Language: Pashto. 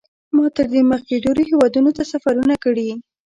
ما تر دې مخکې ډېرو هېوادونو ته سفرونه کړي.